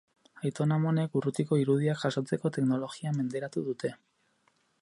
Aitona-amonek urrutiko irudiak jasotzeko teknologia menderatu dute.